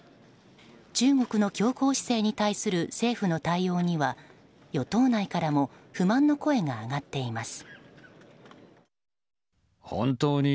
中国の強硬姿勢に対する政府の対応には与党内からも不満の声が上がっています。